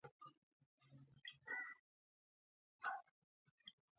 د مشر ورور اووه زامن پاتې شول.